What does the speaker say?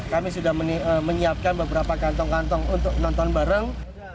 kami sudah menyiapkan beberapa kantong kantong untuk nonton bareng